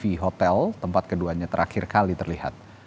di hotel tempat keduanya terakhir kali terlihat